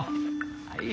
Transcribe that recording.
はい。